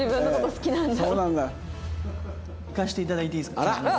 いかせていただいていいですか？